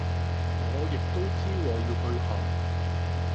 我亦都知我要去學